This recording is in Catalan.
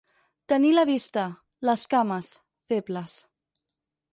Tenir la vista, les cames, febles.